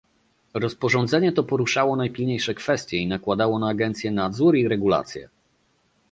Rozporządzenie to poruszało najpilniejsze kwestie i nakładało na agencje nadzór i regulacje